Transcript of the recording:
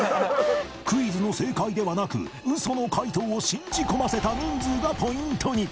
クイズの正解ではなく嘘の解答を信じ込ませた人数がポイントに！